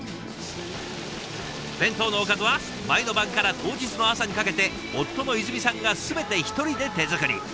弁当のおかずは前の晩から当日の朝にかけて夫の泉さんが全て一人で手作り。